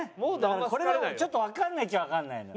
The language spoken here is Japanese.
これがちょっとわかんないっちゃわかんないのよ。